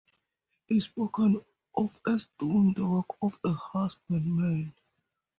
He is spoken of as doing the work of a husbandman.